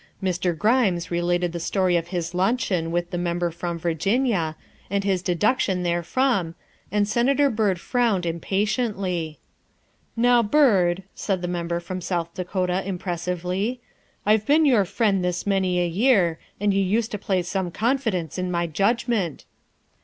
Mr. Grimes related the story of his luncheon THE SECRETARY OF STATE 331 with the Member from Virginia and his deduction there from, and Senator Byrd frowned impatiently. " Now, Byrd," said the Member from South Dakota impressively, " I've been your friend this many a year, and you used to place some confidence in my judgment."